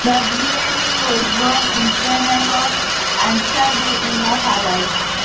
Gabrielli was born in Pinerolo and studied in Naples.